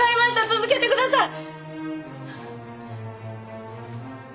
続けてください！